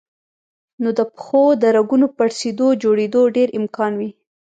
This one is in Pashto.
نو د پښو د رګونو پړسېدو جوړېدو ډېر امکان وي